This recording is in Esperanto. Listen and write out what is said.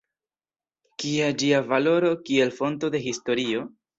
Kia ĝia valoro kiel fonto de historio?